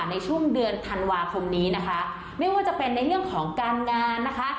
ในช่วงเดือนธันวาคมนี้นะคะไม่ว่าจะเป็นในเรื่องของการงานนะคะ